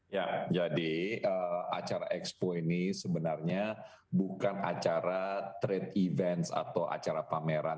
ya jadi acara expo ini sebenarnya bukan acara trade events atau acara pameran